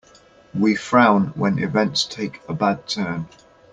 We frown when events take a bad turn.